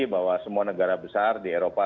bahwa semua negara besar di eropa